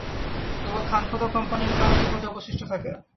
কেবল খানকতক কোম্পানির কাগজ অবশিষ্ট থাকে।